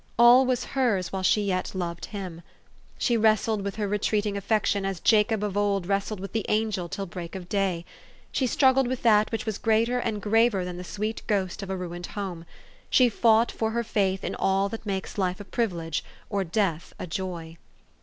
All was hers while she yet loved him. She wrestled with her retreating affec tion as Jacob of old wrestled with the angel till break of day. She struggled with that which was greater and graver than the sweet ghost of a ruined home. She fought for her faith in all that makes life a privilege, or death a joy.